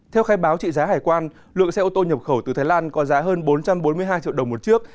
theo khai báo trị giá hải quan lượng xe ô tô nhập khẩu từ thái lan có giá hơn bốn trăm bốn mươi hai triệu đồng một chiếc